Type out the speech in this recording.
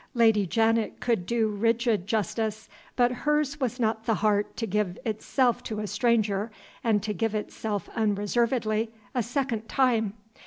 Lady Janet could do rigid justice but hers was not the heart to give itself to a stranger (and to give itself unreservedly) a second time.